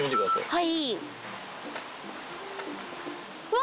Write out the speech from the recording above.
はい。